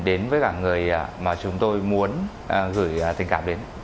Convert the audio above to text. đến với cả người mà chúng tôi muốn gửi tình cảm đến